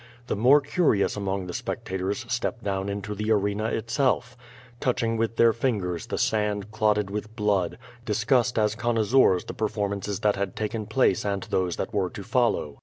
The more curious among the spectators stepped down into the arena itself. Touching with their fingers the sand clotted with blooJ, discussed as connoisseurs the performances that had taken place and those that were to follow.